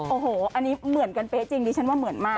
โอ้โหอันนี้เหมือนกันเป๊ะจริงดิฉันว่าเหมือนมาก